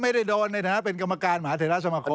ไม่ได้โดนในฐานะเป็นกรรมการมหาเทราสมาคม